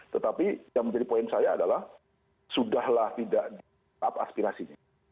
tetapi yang menjadi poin saya adalah sudah lah tidak di up aspirasi